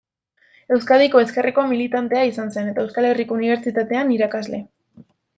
Euskadiko Ezkerreko militantea izan zen, eta Euskal Herriko Unibertsitatean irakasle.